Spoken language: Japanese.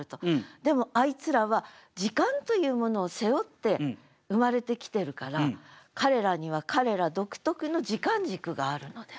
でもあいつらは時間というものを背負って生まれてきてるから彼らには彼ら独特の時間軸があるのであろうという。